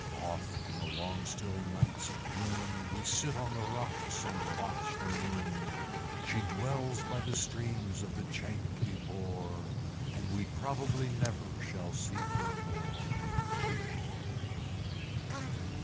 Oft, in the long still nights of June, We sit on the rocks and watch the moon, She dwells by the streams of the Chankly Bore. And we probably never shall see her more.